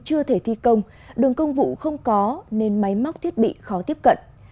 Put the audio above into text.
chưa thể thi công đường công vụ không có nên máy móc thiết bị khó tiếp cận